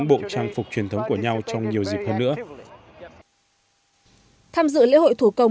với các bạn